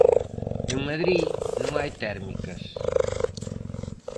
En Madrid non hai térmicas.